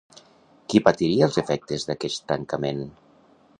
Qui patiria els efectes d'aquest tancament?